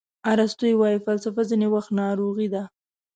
ارسطو وایي فلسفه ځینې وخت ناروغي ده.